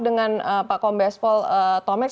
dengan pak kombespol tomeks